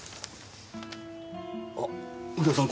あっ右京さん